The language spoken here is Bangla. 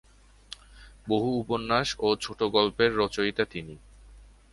বহু উপন্যাস ও ছোটগল্পের রচয়িতা তিনি।